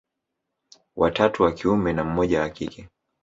Watatu wa kiume na mmoja wa kike